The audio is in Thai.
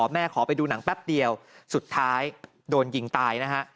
ขอไปดูหนังแป๊บเดียวสุดท้ายโดนยิงตายนะฮะ